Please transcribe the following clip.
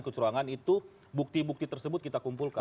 kecurangan itu bukti bukti tersebut kita kumpulkan